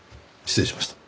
失礼しました。